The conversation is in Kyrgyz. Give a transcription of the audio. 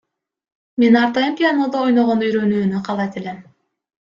Мен ар дайым пианинодо ойногонду үйрөнүүнү каалайт элем.